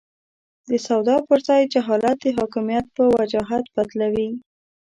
د سواد پر ځای جهالت د حاکمیت په وجاهت بدلوي.